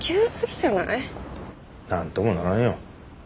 何ともならんよ。